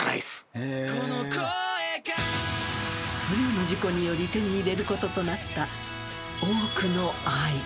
［不慮の事故により手に入れることとなった多くの］